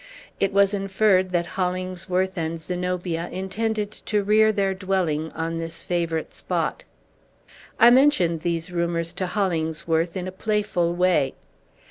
It was inferred that Hollingsworth and Zenobia intended to rear their dwelling on this favorite spot. I mentioned those rumors to Hollingsworth in a playful way.